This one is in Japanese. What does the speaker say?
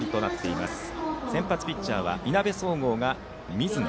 先発ピッチャーはいなべ総合が水野。